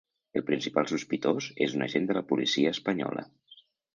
El principal sospitós és un agent de la policia espanyola.